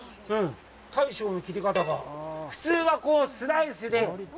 大将の切り方が、普通はスライスで。